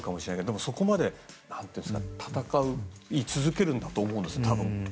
でも、そこまで戦い続けると思うんです。